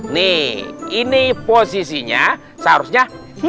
nih ini posisinya seharusnya